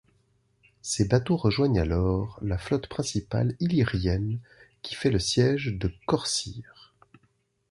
Ces bateaux rejoignent alors la flotte principale illyrienne qui fait le siège de Corcyre.